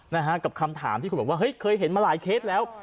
นะฮะกับคำถามที่คุณบอกว่าเฮ้ยเคยเห็นมาหลายเคสแล้ว